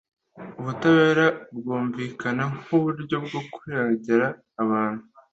Ubutabera bwumvikana nk uburyo bwo kurengera abantu